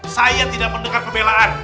saya tidak mendengar pembelaan